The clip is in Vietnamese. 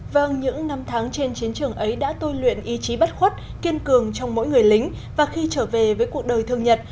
vâng những năm tháng trên chiến trường ấy đã tôi luyện ý chí bất khuất kiên cường trong mỗi người lính và khi trở về với cuộc đời thương nhật